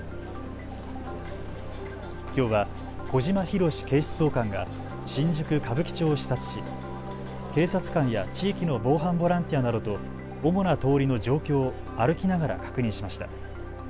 きょうは小島裕史警視総監が新宿歌舞伎町を視察し警察官や地域の防犯ボランティアなどと主な通りの状況を歩きながら確認しました。